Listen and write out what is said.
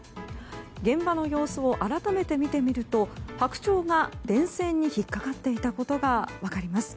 現場の様子を改めて見てみるとハクチョウが電線に引っかかっていたことが分かります。